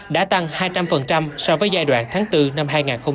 đã tăng hai trăm linh so với giai đoạn tháng bốn năm hai nghìn hai mươi